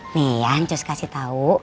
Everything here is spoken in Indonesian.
nih yang cus kasih tahu